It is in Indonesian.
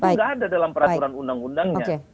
itu nggak ada dalam peraturan undang undangnya